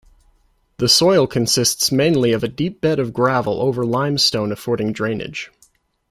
The soil consists mainly of a deep bed of gravel over limestone affording drainage.